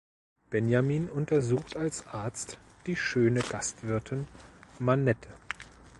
Benjamin untersucht als Arzt die schöne Gastwirtin Manette.